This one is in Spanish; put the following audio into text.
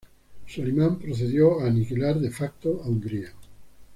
Solimán procedió a aniquilar de facto a Hungría.